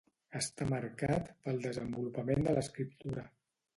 Està marcat pel desenvolupament de l'escriptura.